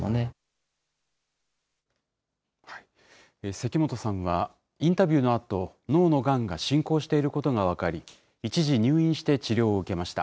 関本さんはインタビューのあと、脳のがんが進行していることが分かり、一時入院して治療を受けました。